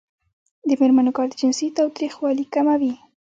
د میرمنو کار د جنسي تاوتریخوالي کموي.